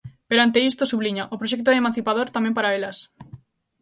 Perante isto, subliña, "o proxecto é emancipador tamén para elas".